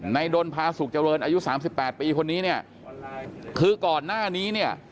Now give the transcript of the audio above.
ดนพาสุขเจริญอายุสามสิบแปดปีคนนี้เนี่ยคือก่อนหน้านี้เนี่ย